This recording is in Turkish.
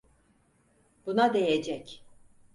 Buna değecek.